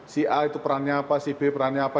si a itu perannya apa si b perannya apa